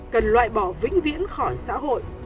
cần loại bỏ vĩnh viễn khỏi xã hội